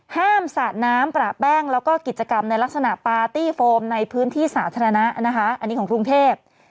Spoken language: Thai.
สาดน้ำประแป้งแล้วก็กิจกรรมในลักษณะปาร์ตี้โฟมในพื้นที่สาธารณะนะคะอันนี้ของกรุงเทพ